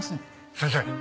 先生